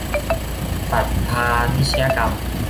ปัพพาชนียกรรม